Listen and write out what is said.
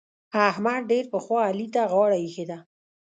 احمد ډېر پخوا علي ته غاړه اېښې ده.